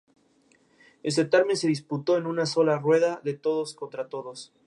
El certamen se disputó en una sola rueda de todos contra todos.